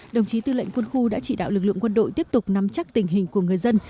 đồng chí tư lệnh quân khu đã chỉ đạo lực lượng quân đội tiếp tục nắm chắc tình hình của người dân